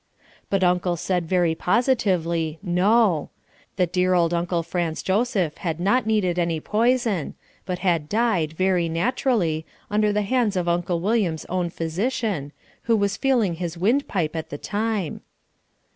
But Uncle said very positively, "No," that dear old Uncle Franz Joseph had not needed any poison, but had died, very naturally, under the hands of Uncle William's own physician, who was feeling his wind pipe at the time.